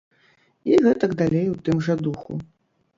І гэтак далей у тым жа духу.